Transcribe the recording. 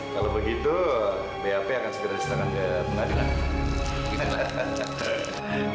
kalau begitu bap akan sederhana diserahkan